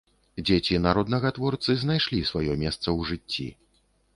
Дзеці народнага творцы знайшлі сваё месца ў жыцці.